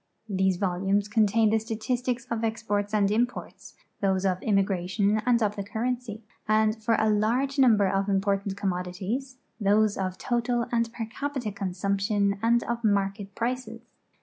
These volumes contain the statistics of e\'i)orts and im jjorts, those of immigration and of the currency, and, for a large number of important commodities, those of total and per capita consumption and of market prices.